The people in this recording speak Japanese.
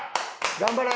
頑張れ！